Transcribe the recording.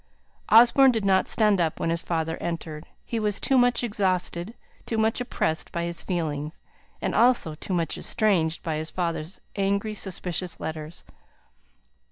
Osborne did not stand up when his father entered. He was too much exhausted, too much oppressed by his feelings, and also too much estranged by his father's angry, suspicious letters.